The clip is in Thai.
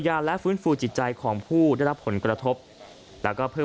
และฟื้นฟูจิตใจของผู้ได้รับผลกระทบแล้วก็เพิ่ม